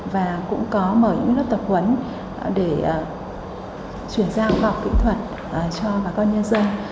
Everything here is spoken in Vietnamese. và cũng có mở những lớp tập huấn để chuyển giao bọc kỹ thuật cho bà con nhân dân